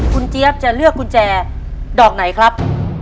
คุณเจี๊ยบจะเลือกกุญแจดอกไหนครับ